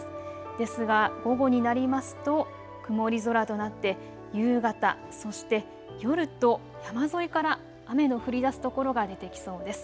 ですが午後になりますと曇り空となって夕方、そして夜と山沿いから雨の降りだす所が出てきそうです。